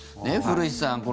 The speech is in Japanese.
古市さん